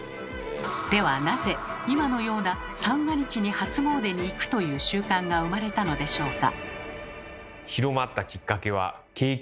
ではなぜ今のような三が日に初詣に行くという習慣が生まれたのでしょうか？